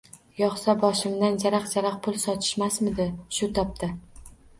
Yo‘qsa, boshimdan jaraq-jaraq pul sochishmasmidi shu topda!